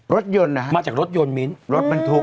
รถยนต์นะฮะมาจากรถยนต์มิ้นรถบรรทุก